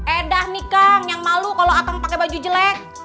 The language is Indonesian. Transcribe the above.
edah nih kang yang malu kalau akang pakai baju jelek